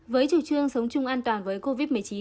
với chủ trương sống chung an toàn với covid một mươi chín